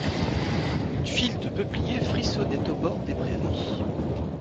Une file de peupliers frissonnait au bord des prairies.